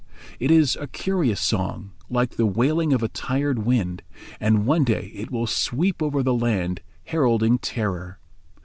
It is a curious song, like the wailing of a tired wind, and one day it will sweep over the land heralding terror.